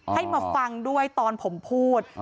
ให้มาฟังด้วยตอนผมพูด